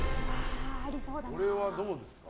これはどうですか？